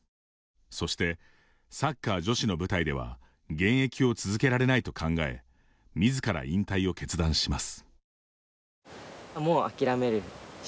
そして、サッカー女子の舞台では現役を続けられないと考えみずから引退を決断します。